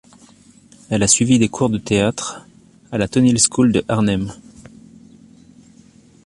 Elle a suivi des cours de théâtre à la Toneelschool de Arnhem.